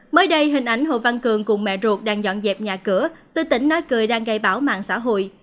mới đây hình ảnh hồ văn cường cùng mẹ ruột đang dọn dẹp nhà cửa tư tỉnh nói cười đang gây bảo mạng xã hội